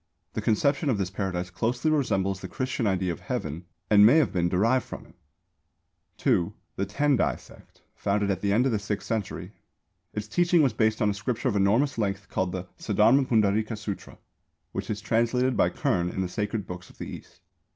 The conception of this Paradise closely resembles the Christian idea of Heaven and may have been derived from it. (2) The Tendai Sect, founded at the end of the sixth century. Its teaching was based on a scripture of enormous length called the Saddharma Pundarīka Sūtra, which is translated by Kern in the Sacred Books of the East.